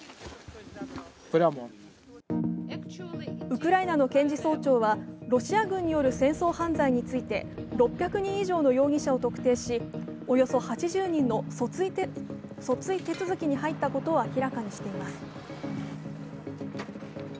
ウクライナの検事総長はロシア軍による戦争犯罪について６００人以上の容疑者を特定し、およそ８０人の訴追手続きに入ったことを明らかにしています。